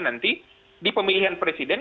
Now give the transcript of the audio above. nanti di pemilihan presiden